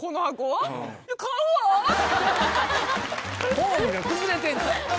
フォームが崩れてんねん。